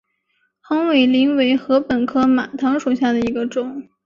红尾翎为禾本科马唐属下的一个种。